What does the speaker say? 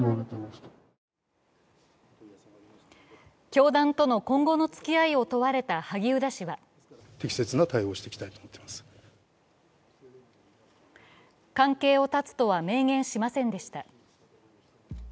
教団との今後の付き合いを問われた萩生田氏は関係を断つとは明言しませんでした。